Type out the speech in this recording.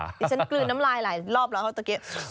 เดี๋ยวฉันกลื่นน้ำลายหลายรอบแล้วเขาตะเกะ